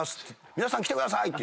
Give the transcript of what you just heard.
皆さん来てください！」って